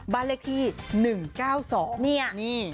บ้านเลขที่๑๙๒เนี่ย